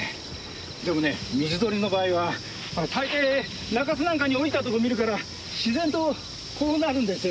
でもね水鳥の場合はあの大抵中州なんかに降りたとこ見るから自然とこうなるんですよ。